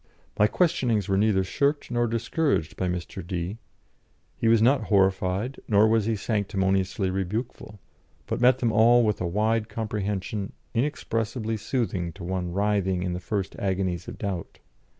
My questionings were neither shirked nor discouraged by Mr. D ; he was not horrified nor was he sanctimoniously rebukeful, but met them all with a wide comprehension inexpressibly soothing to one writhing in the first agonies of doubt.